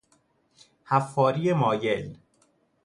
حفاری مایل